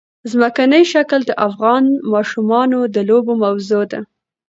ځمکنی شکل د افغان ماشومانو د لوبو موضوع ده.